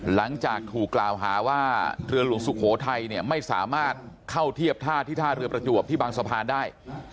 หลังจากถูกกล่าวหาว่าเรือหลวงสุโขทัยเนี่ยไม่สามารถเข้าเทียบท่าที่ท่าเรือประจวบที่บางสะพานได้